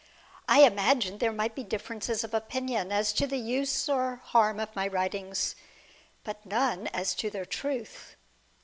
I imagined there might be differences of opinion as to the use or harm of my writings, but none as to their truth.